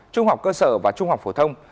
trung học cơ sở và trung học phổ thông